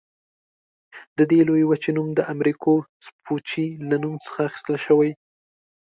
دې لویې وچې نوم د امریکو سپوچي له نوم څخه اخیستل شوی.